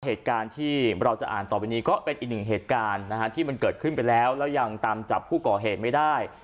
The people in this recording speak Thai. เหตุการณ์ที่เราจะอ่านต่อไปนี้ก็เป็นอีกหนึ่งเหตุการณ์นะฮะที่มันเกิดขึ้นไปแล้วแล้วยังตามจับผู้ก่อเหตุไม่ได้